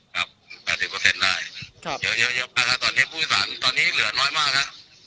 ครับแปดสิบเปอร์เซ็นต์ได้ครับเยอะเยอะเยอะมากฮะตอนนี้ภูมิสถานตอนนี้เหลือน้อยมากฮะ